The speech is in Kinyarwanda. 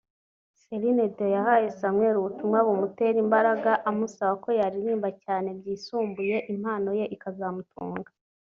Celine Dion yahaye Samuel ubutumwa bumutera imbaraga amusaba ko yaririmba cyane byisumbuye impano ye ikazamutunga